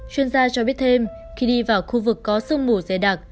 chuyên gia cho biết thêm khi đi vào khu vực có sông mù dây đặc